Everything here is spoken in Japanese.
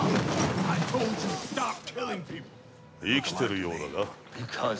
◆生きているようだが？